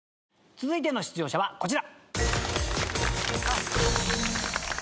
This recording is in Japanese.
続いての出場者はこちら。